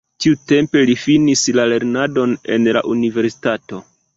Tiutempe li finis la lernadon en la universitato.